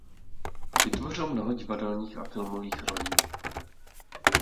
Vytvořil mnoho divadelních a filmových rolí.